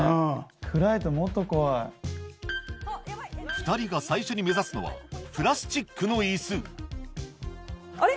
暗いともっと怖い２人が最初に目指すのはプラスチックの椅子あれ？